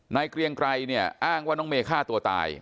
เกรียงไกรเนี่ยอ้างว่าน้องเมย์ฆ่าตัวตาย